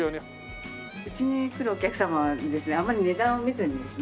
うちに来るお客様はですねあまり値段を見ずにですね